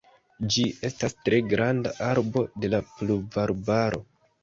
Ĝi estas tre granda arbo de la pluvarbaro.